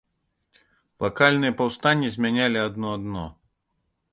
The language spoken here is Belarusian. Лакальныя паўстанні змянялі адно адно.